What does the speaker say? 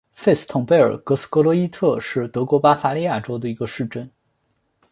费斯滕贝尔格斯格罗伊特是德国巴伐利亚州的一个市镇。